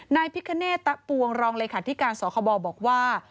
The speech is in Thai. นายพิฆเนตะปวงรองเลยค่ะที่การสอครบอลบอกว่า